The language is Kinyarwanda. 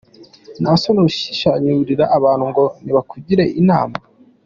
nta soni urashinyagurira abantu ngo “nibakugire inama” !